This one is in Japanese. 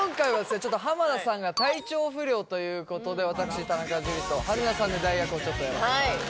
ちょっと浜田さんが体調不良ということで私田中樹と春菜さんで代役をちょっとやらしていただきます